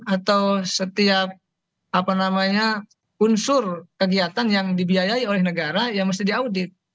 atau setiap unsur kegiatan yang dibiayai oleh negara ya mesti diaudit